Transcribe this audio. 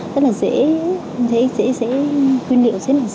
rất là dễ